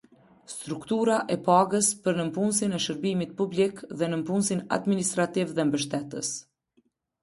Struktura e pagës për nëpunësin e Shërbimit Publik dhe nëpunësin administrativ dhe mbështetës.